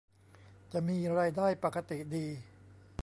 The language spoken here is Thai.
จะมีรายได้ปกติดี